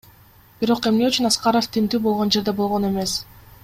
Бирок эмне үчүн Аскаров тинтүү болгон жерде болгон эмес?